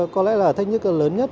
có lẽ là thách thức lớn nhất